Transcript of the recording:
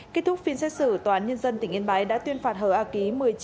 kết thúc phiên xét xử tòa án nhân dân tỉnh yên bái đã tuyên phạt hở a ký